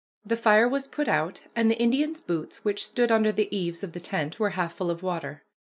The fire was put out, and the Indian's boots, which stood under the eaves of the tent, were half full of water.